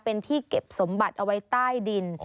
เป็นที่เก็บสมบัติเอาไว้ใต้ดิน